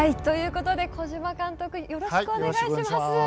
ということで小島監督よろしくお願いします。